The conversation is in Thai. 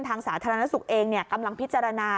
ทางสาธารณสุขเองเนี่ยกำลังพิจารณา